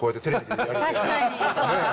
確かに。